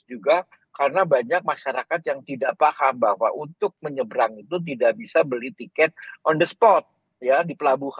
juga karena banyak masyarakat yang tidak paham bahwa untuk menyeberang itu tidak bisa beli tiket on the spot ya di pelabuhan